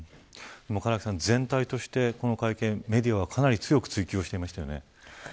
唐木さん、全体としてこの会見メディアはかなり強く追及しましたね。